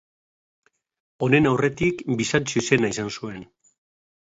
Honen aurretik Bizantzio izena izan zuen.